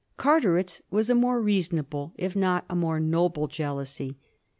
Carteret's was a more reasonable if not a more noble jealousy.